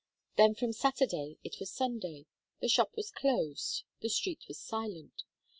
Then from Saturday it was Sunday; the shop was closed, the street was silent.